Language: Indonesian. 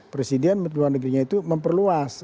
presiden luar negerinya itu memperluas